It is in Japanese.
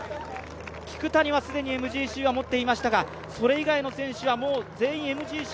聞谷は既にＭＧＣは持っていましたがそれ以外の選手は全員ＭＧＣ。